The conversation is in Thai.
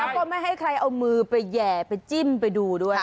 แล้วก็ไม่ให้ใครเอามือไปแห่ไปจิ้มไปดูด้วย